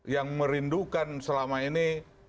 yang merindukan selama ini